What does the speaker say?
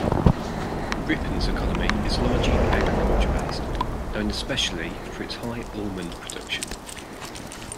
Ripon's economy is largely agriculture based, known especially for its high almond production.